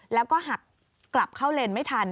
แล้วก็หักกลับเข้าเลนไม่ทัน